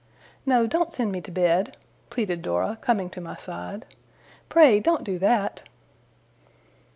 'No, don't send me to bed!' pleaded Dora, coming to my side. 'Pray, don't do that!